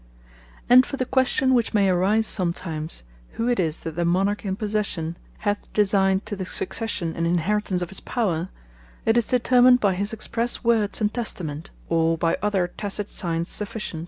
And for the question (which may arise sometimes) who it is that the Monarch in possession, hath designed to the succession and inheritance of his power; it is determined by his expresse Words, and Testament; or by other tacite signes sufficient.